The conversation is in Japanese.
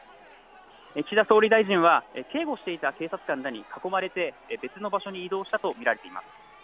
岸田総理大臣は警護していた警察官らに囲まれて別の場所に移動したと見られています。